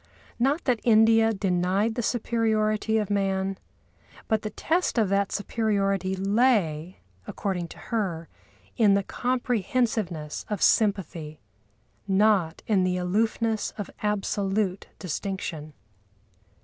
Not that India denied the superiority of man, but the test of that superiority lay, according to her, in the comprehensiveness of sympathy, not in the aloofness of absolute distinction.